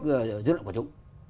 dưới lượng của chúng